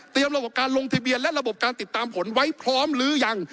ระบบการลงทะเบียนและระบบการติดตามผลไว้พร้อมหรือยัง